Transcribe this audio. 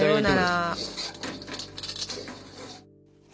さようなら。